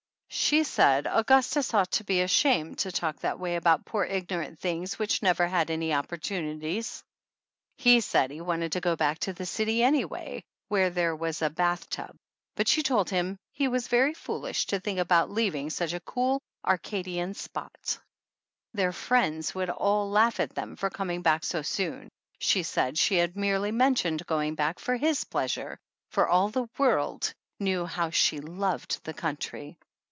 She said Augustus ought to be ashamed to talk that way about poor ignorant things which never had any op portunities ! He said he wanted to go back to the city anyway where there was a bath tub, but she told him he was very foolish to think about leaving such a cool, "Arcadian" spot; their friends would all laugh at them for coming back so soon. She said she had merely men tioned going back for his pleasure, for all the world knew how she loved the country.